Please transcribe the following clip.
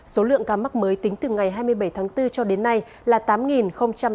số lượng ca mắc mới tính từ ngày hai mươi bảy tháng bốn cho đến nay là tám tám mươi bảy ca